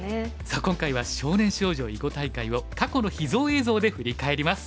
さあ今回は少年少女囲碁大会を過去の秘蔵映像で振り返ります。